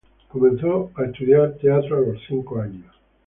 Comenzó a estudiar teatro a los cinco años.